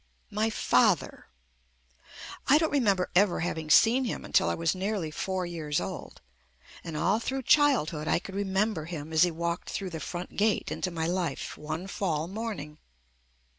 My father! I don't remember ever having seen him until I was nearly four years old, and all through childhood I could remember him as he walked through the front gate into my life, one fall morning.